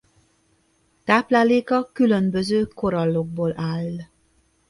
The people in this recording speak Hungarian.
Tápláléka különböző korallokból áll.